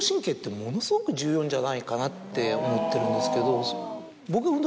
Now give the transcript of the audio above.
じゃないかなって思ってるんですけど。